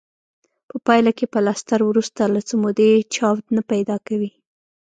په پایله کې پلستر وروسته له څه مودې چاود نه پیدا کوي.